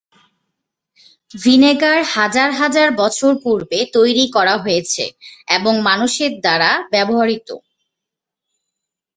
Vinegar হাজার হাজার বছর পূর্বে তৈরি করা হয়েছে এবং মানুষের দ্বারা ব্যবহৃত।